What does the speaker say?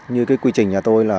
như cái quy trình nhà tôi là